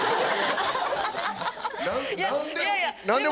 何で？